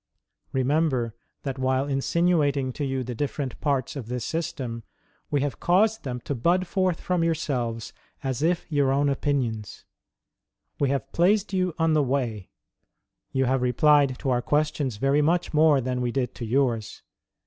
Remember, that while insinuating to you the different parts of this system, we have caused them to bud forth from yourselves D 34 WAR OF ANTICHRIST WITH THE CHURCH. as if your own opinions. We have placed you on the way; you have replied to our questions very much more than we did to yours.